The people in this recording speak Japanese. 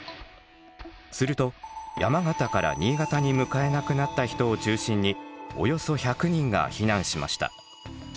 すると山形から新潟に向かえなくなった人を中心におよそ１００人が避難しました。